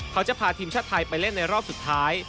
เขาจะพาทีมชาติไทยไปเล่นในรอบสุดท้าย